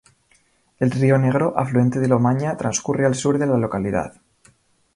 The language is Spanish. El río Negro, afluente del Omaña transcurre al sur de la localidad.